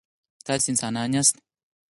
تاسي انسانان یاست.